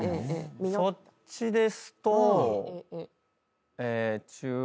そっちですと中学。